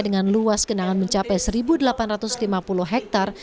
dengan luas genangan mencapai satu delapan ratus lima puluh hektare